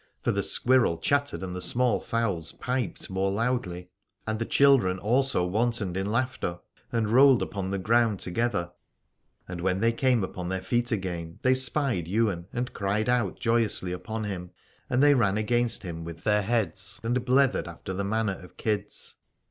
For the squirrel chat tered and the small fowls piped more loudly, and the children also wantoned in laughter, and rolled upon the ground together : and when they came upon their feet again they spied Ywain and cried out joyously upon him, and they ran against him with their heads and blethered after the manner of kids.